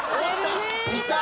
いた！